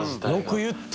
よく言った！